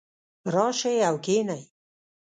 راشئ او کښېنئ